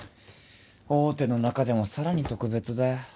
大手の中でもさらに特別だよ